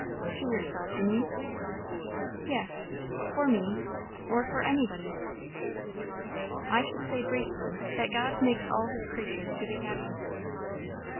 "To yourself, you mean?" "Yes. For me or for anybody." "I should say briefly, that God makes all His creatures to be happy."